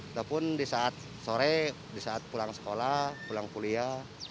ataupun di saat sore di saat pulang sekolah pulang kuliah